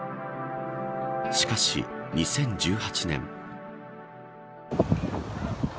しかし、２０１８年。